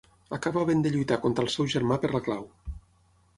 Acaba havent de lluitar contra el seu germà per la clau.